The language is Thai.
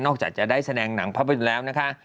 จากจะได้แสดงหนังภาพยนตร์แล้วนะคะ